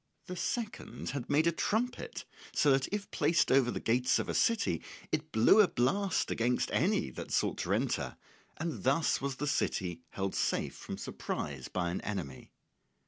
The second had made a trumpet so that if placed over the gates of a city it blew a blast against any that sought to enter; and thus was the city held safe from surprise by an enemy.